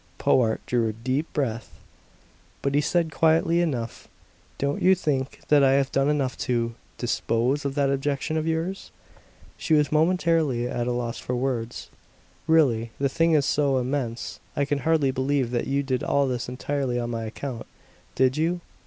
Powart drew a deep breath. But he said quietly enough, "Don't you think that I have done enough to dispose of that objection of yours?" She was momentarily at a loss for words. "Really the thing is so immense I can hardly believe that you did all this entirely on my account. Did you?"